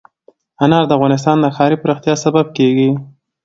انار د افغانستان د ښاري پراختیا سبب کېږي.